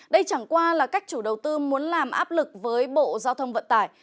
đây chẳng qua là cách chủ đầu tư muốn làm áp lực với bộ giao thông vận tải